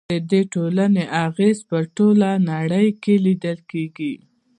د دې ټولنې اغیز په ټوله نړۍ کې لیدل کیږي.